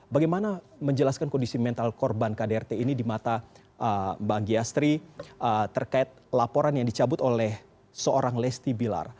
bagaimana menjelaskan kondisi mental korban kdrt ini di mata mbak anggiastri terkait laporan yang dicabut oleh seorang lesti bilar